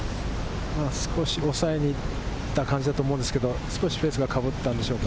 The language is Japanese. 少し抑えにいった感じだと思うんですけれども、フェースがかぶったんでしょうか？